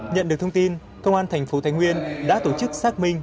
nhận được thông tin công an thành phố thái nguyên đã tổ chức xác minh